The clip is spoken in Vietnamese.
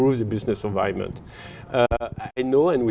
vào hai năm tới